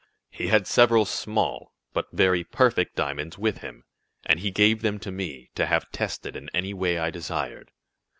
He had several small, but very perfect diamonds with him, and he gave them to me, to have tested in any way I desired.